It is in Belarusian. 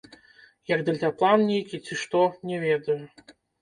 Як дэльтаплан нейкі ці што, не ведаю.